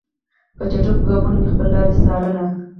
په چټکو ګامونو مې خپله لاره څارله.